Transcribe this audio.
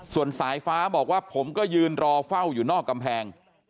ส่วนสายฟ้าบอกว่าผมก็ยืนรอเฝ้าอยู่นอกกำแพง